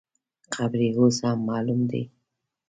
قبر یې اوس هم معلوم دی.